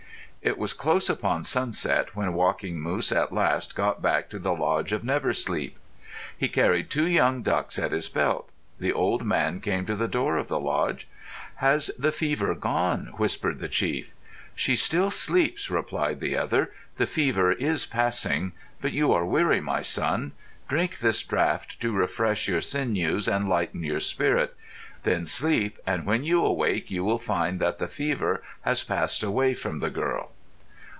It was close upon sunset when Walking Moose at last got back to the lodge of Never Sleep. He carried two young ducks at his belt. The old man came to the door of the lodge. "Has the fever gone?" whispered the chief. "She still sleeps," replied the other. "The fever is passing. But you are weary, my son. Drink this draught to refresh your sinews and lighten your spirit. Then sleep, and when you awake you will find that the fever has passed away from the girl."